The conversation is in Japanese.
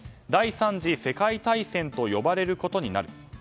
第３次世界大戦と呼ばれることになる。